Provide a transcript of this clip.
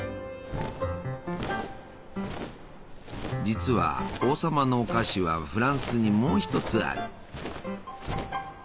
実は「王様のお菓子」はフランスにもう一つある。